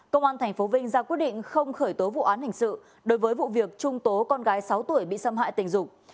công an tp vinh ra quyết định không khởi tố vụ án hình sự đối với vụ việc trung tố con gái sáu tuổi bị xâm hại tình dục